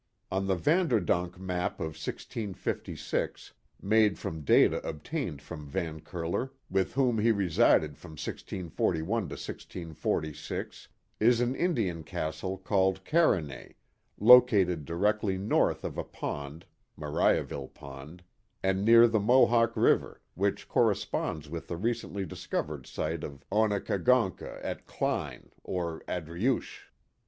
On the Vanderdonk map of 1656, made from data obtained from Van Curler, with whom he resided from 1641 to 1646," is an Indian castle called Carenay, located di rectly north of a pond (Mariaville Pond), and near the Mohawk River, which corresponds with the recently discovered site of Onekagoncka at Kline, or Adriuche.